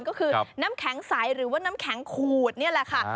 ก็คือน้ำแข็งใสหรือว่าน้ำแข็งขูดนี่แหละค่ะ